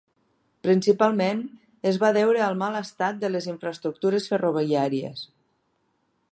Principalment, es va deure al mal estat de les infraestructures ferroviàries.